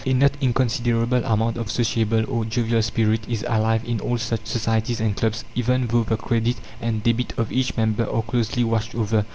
A not inconsiderable amount of sociable or jovial spirit is alive in all such societies and clubs, even though the "credit and debit" of each member are closely watched over.